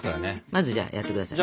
まずじゃあやって下さい。